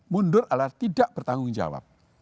mundur adalah tidak bertanggung jawab